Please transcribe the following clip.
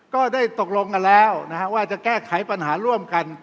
ก็ได้ตกลงกันแล้วว่าจะแก้ไขปัญหาร่วมกัน